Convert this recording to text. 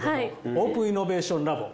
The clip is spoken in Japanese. オープンイノベーションラボ。